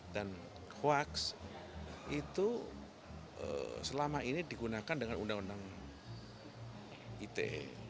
dan hoax itu selama ini digunakan dengan undang undang ite